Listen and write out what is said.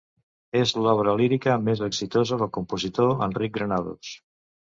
És l'obra lírica més exitosa del compositor Enric Granados.